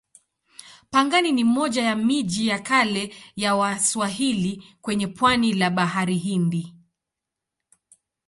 Pangani ni moja ya miji ya kale ya Waswahili kwenye pwani la Bahari Hindi.